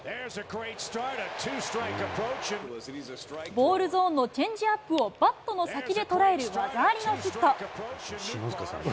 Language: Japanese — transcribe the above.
ボールゾーンのチェンジアップをバットの先で捉える技ありのヒット。